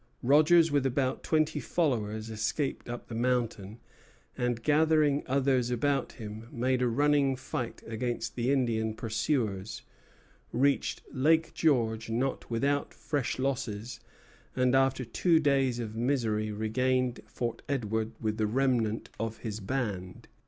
Rogers with about twenty followers escaped up the mountain; and gathering others about him, made a running fight against the Indian pursuers, reached Lake George, not without fresh losses, and after two days of misery regained Fort Edward with the remnant of his band.